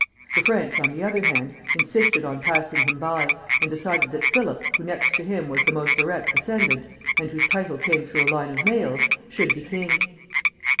The French, on the other hand, insisted on passing him by, and decided that Philip, who, next to him, was the most direct descendant, and whose title came through a line of males, should be king.